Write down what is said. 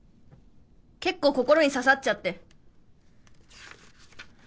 結構心に刺さっちゃって！